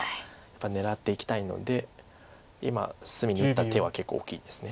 やっぱり狙っていきたいので今隅に打った手は結構大きいです。